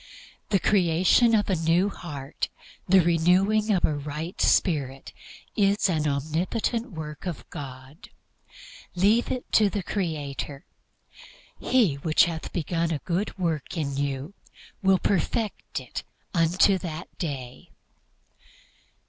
The creation of a new heart, the renewing of a right spirit, is an omnipotent work of God. Leave it to the Creator. "He which hath begun a good work in you will perfect it unto that day."